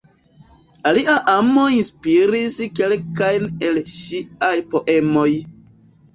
Ilia amo inspiris kelkajn el ŝiaj poemoj.